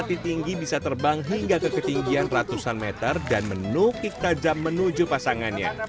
kaki tinggi bisa terbang hingga ke ketinggian ratusan meter dan menukik tajam menuju pasangannya